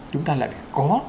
chúng ta lại phải có